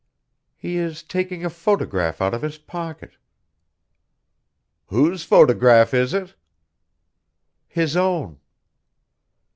"He is taking a photograph out of his pocket." "Whose photograph is it?" "His own."